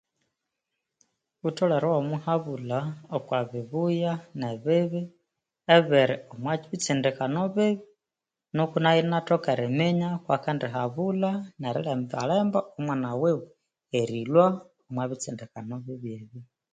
Wutholere iwamuhabulha okwabibuya nebibi ebiri omwabitsindikano bibi noko nayo iniatoka erihabulha nerilembalemba omwana wiwe erilhwa omwabitsindikano bibi